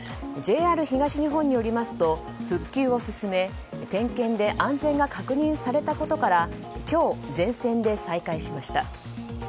ＪＲ東日本によりますと復旧を進め点検で安全が確認されたことから今日、全線で再開しました。